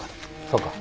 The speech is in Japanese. そうか。